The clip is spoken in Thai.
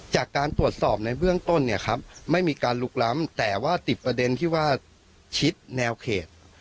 จากการตรวจสอบในเบื้องต้นเนี่ยครับไม่มีการลุกล้ำแต่ว่าติดประเด็นที่ว่าชิดแนวเขต